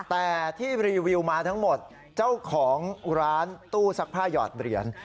แต่ที่รีวิวมาทั้งหมดเจ้าของร้านตู้ซักผ้าหยอดเหรียญ